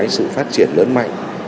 sự phát triển lớn mạnh